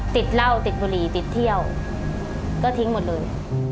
ติดเหล้าติดบุหรี่ติดเที่ยวก็ทิ้งหมดเลย